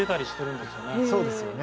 そうですよね。